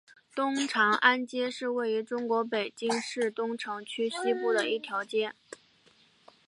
东长安街是位于中国北京市东城区西部的一条街。